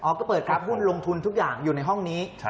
ก็เปิดรับหุ้นลงทุนทุกอย่างอยู่ในห้องนี้